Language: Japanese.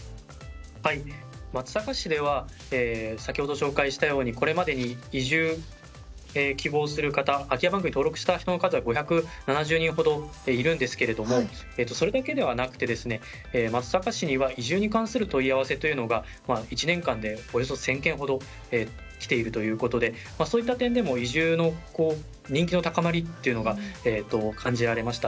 松阪市では先ほどご紹介したようにこれまでに移住を希望する方空き家バンクに登録した人の数は５７０人ほどいるんですけどそれだけではなくて松阪市には移住に関する問い合わせというのが１年間でおよそ１０００件ほどきているということでそういった点でも移住の人気の高まりというのが感じられました。